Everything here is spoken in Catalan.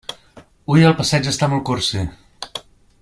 Hui el passeig està molt cursi.